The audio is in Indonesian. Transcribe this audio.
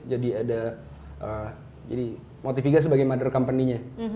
jadi ada jadi motiviga sebagai mother company nya